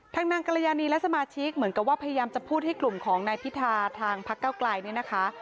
นางกรยานีและสมาชิกเหมือนกับว่าพยายามจะพูดให้กลุ่มของนายพิธาทางพักเก้าไกลเนี่ยนะคะ